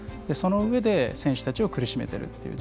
そのうえで、選手たちを苦しめていると。